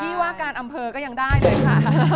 ที่ว่าการอำเภอก็ยังได้เลยค่ะ